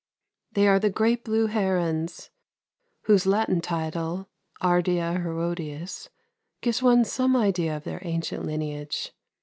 They are the Great Blue Herons whose Latin title, (Ardea herodias), gives one some idea of their ancient lineage.